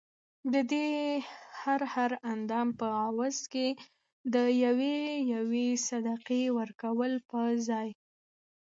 ددې هر هر اندام په عوض کي د یوې یوې صدقې ورکولو په ځای